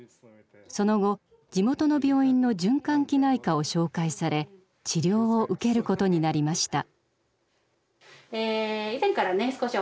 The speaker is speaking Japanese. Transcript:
その後地元の病院の循環器内科を紹介され治療を受けることになりました。